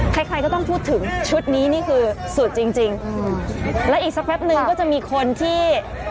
ใครใครก็ต้องพูดถึงชุดนี้นี่คือสุดจริงจริงอืมแล้วอีกสักแป๊บนึงก็จะมีคนที่